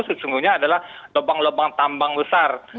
sesungguhnya adalah lubang lubang tambang besar